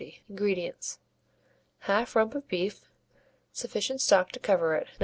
INGREDIENTS. 1/2 rump of beef, sufficient stock to cover it (No.